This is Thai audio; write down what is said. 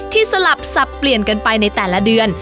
สลับสับเปลี่ยนกันไปในแต่ละเดือน